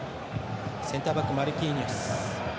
センターバック、マルキーニョス。